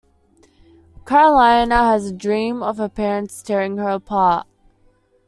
Karolina has a dream of her parents tearing her apart.